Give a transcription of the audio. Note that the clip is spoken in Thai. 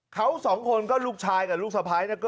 เขาสองคนก็ลูกชายกับลูกสะพ้าย